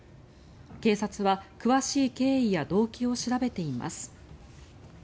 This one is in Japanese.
警察は詳しい経緯や動機を調べています。